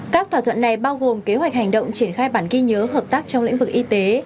các thỏa thuận này bao gồm kế hoạch hành động triển khai bản ghi nhớ hợp tác trong lĩnh vực y tế